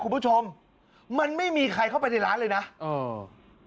คุณผู้ชมมันไม่มีใครเข้าไปในร้านเลยนะเออ